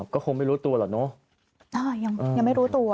ก็คงไม่รู้ตัวหรอกเนอะยังไม่รู้ตัว